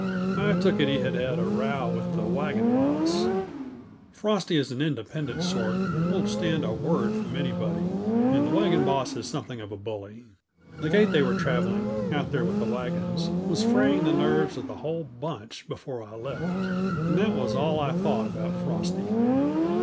I took it he had had a row with the wagon boss. Frosty is an independent sort and won't stand a word from anybody, and the wagon boss is something of a bully. The gait they were traveling, out there with the wagons, was fraying the nerves of the whole bunch before I left. And that was all I thought about Frosty.